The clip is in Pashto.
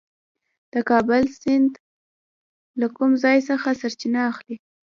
د کابل سیند له کوم ځای څخه سرچینه اخلي؟